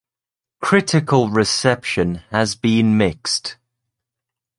Critical reception has been mixed.